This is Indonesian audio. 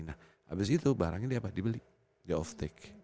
nah abis itu barangnya diapa dibeli di off take